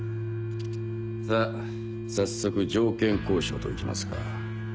さぁ早速条件交渉と行きますか。